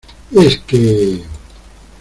es que...